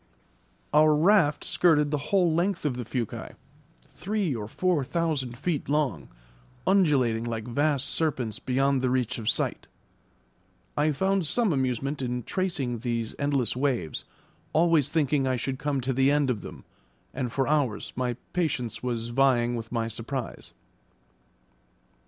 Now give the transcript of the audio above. Our raft skirted the whole length of the fuci, three or four thousand feet long, undulating like vast serpents beyond the reach of sight; I found some amusement in tracing these endless waves, always thinking I should come to the end of them, and for hours my patience was vying with my surprise.